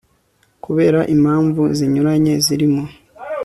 kubera impamvu zinyuranye zirimo